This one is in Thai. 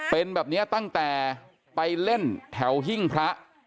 เป็นแบบนี้ตั้งแต่ไปเล่นแถวหิ้งพระ